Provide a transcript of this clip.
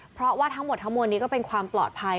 เพราะว่าทั้งหมดทั้งมวลนี้ก็เป็นความปลอดภัย